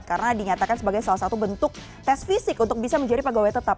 karena dinyatakan sebagai salah satu bentuk tes fisik untuk bisa menjadi pegawai tetap